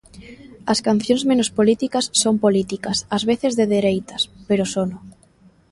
As cancións menos políticas son políticas, ás veces de dereitas, pero sono.